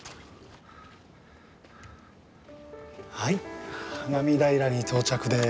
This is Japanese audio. はい花見平に到着です。